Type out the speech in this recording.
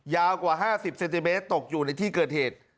ยาวกว่า๕๐เซนติเมตรตกอยู่ในที่เกิดเหตุ